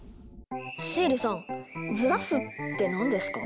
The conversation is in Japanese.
シエリさん「ずらす」って何ですか？